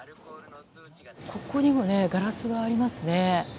ここにもガラスがありますね。